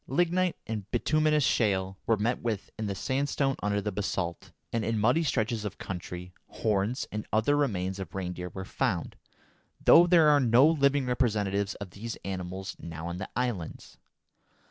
Lignite and bituminous shale were met with in the sandstone under the basalt, and, in muddy stretches of country, horns and other remains of reindeer were found, though there are no living representatives of these animals now on the islands.